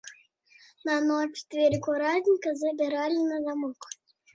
На ноч дзверы куратніка запіралі на замок.